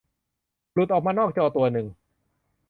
หลุดออกมานอกจอตัวนึง